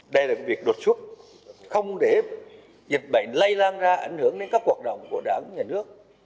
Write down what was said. đây là việc đột xuất không để dịch bệnh lây lan ra ảnh hưởng đến các hoạt động của đảng nhà nước